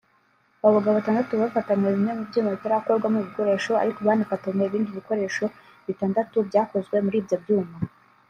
Abo bagabo batandatu bafatanwe bimwe mu byuma bitarakorwamo ibikoresho ariko banafatwanwe ibindi bikoresho bitandatu byakozwe muri ibyo byuma